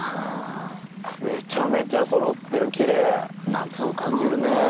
夏を感じるね。